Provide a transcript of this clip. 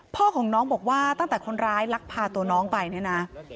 พ่อของน้องบอกว่าตั้งแต่คนร้ายลักพาตัวน้องไปเนี่ยนะ